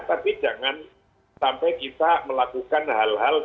tapi jangan sampai kita melakukan hal hal